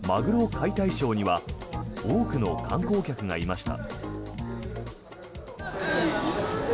解体ショーには多くの観光客がいました。